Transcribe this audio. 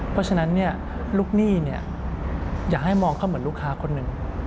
เพราะฉะนั้นลูกหนี้อย่าให้มองเขาเหมือนลูกค้าคนหนึ่ง